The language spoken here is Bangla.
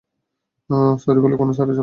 সরি বলবি, কোন সরি চলবেনা।